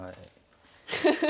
フフフ。